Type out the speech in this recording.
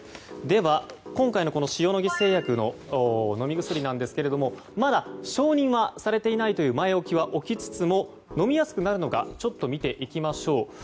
では、今回の塩野義製薬の飲み薬なんですけれどもまだ承認はされていないという前置きは置きつつも、飲みやすくなるのか見ていきましょう。